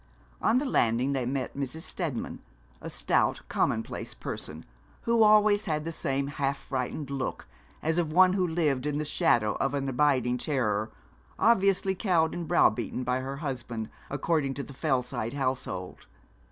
On the landing they met Mrs. Steadman, a stout, commonplace person, who always had the same half frightened look, as of one who lived in the shadow of an abiding terror, obviously cowed and brow beaten by her husband, according to the Fellside household.